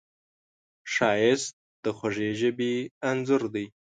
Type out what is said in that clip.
ښایست د خوږې ژبې انځور دی